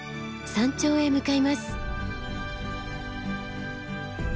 山頂へ向かいます。